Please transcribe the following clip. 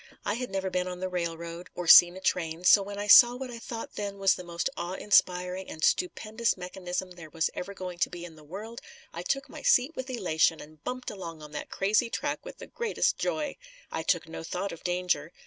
I had never been on the railroad or seen a train, so when I saw what I thought then was the most awe inspiring and stupendous mechanism there was ever going to be in the world, I took my seat with elation and bumped along on that crazy track with the greatest joy. I took no thought of danger.